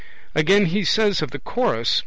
Again, he says of the Chorus (p.